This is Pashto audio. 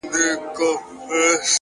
o مخامخ وتراشل سوي بت ته ناست دی،